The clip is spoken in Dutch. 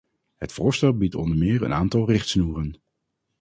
Het voorstel biedt onder meer een aantal richtsnoeren.